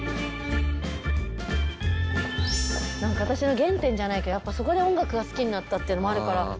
私の原点じゃないけどそこで音楽が好きになったっていうのもあるから。